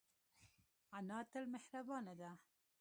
انا تل مهربانه ده